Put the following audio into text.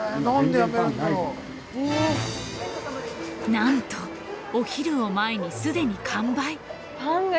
なんとお昼を前にすでに完売。